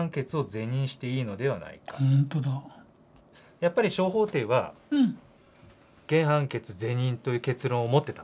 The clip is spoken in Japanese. やっぱり小法廷は原判決是認という結論を持ってた。